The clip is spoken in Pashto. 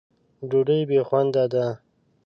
ډوډۍ بې خونده ده.